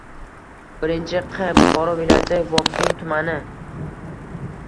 Barincha – q., Buxoro viloyati Vobkent tumani.